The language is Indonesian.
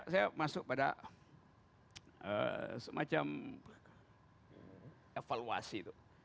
saya masuk pada semacam evaluasi